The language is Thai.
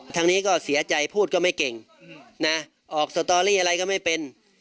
ทางนี้ก็เสียใจพูดก็ไม่เก่งนะออกสตอรี่อะไรก็ไม่เป็น